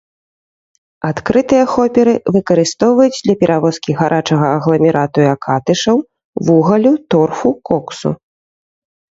Адкрытыя хоперы выкарыстоўваюць для перавозкі гарачага агламерату і акатышаў, вугалю, торфу, коксу.